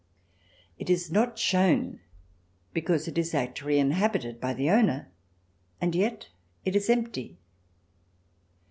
It is not shown because it is actually inhabited by the owner, and yet it is empty.